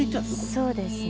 そうですね。